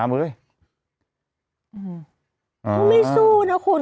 ไม่สู้นะคุณ